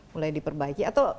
mulai diperbaiki atau